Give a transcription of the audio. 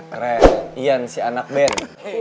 keren ian si anak band